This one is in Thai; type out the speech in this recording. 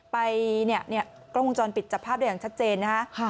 ไปกล้องกลมจรปิดจับภาพอย่างชัดเจน